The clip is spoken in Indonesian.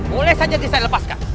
boleh saja saya lepaskan